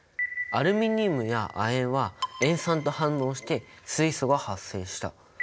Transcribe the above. アルミニウムや亜鉛は塩酸と反応して水素が発生した。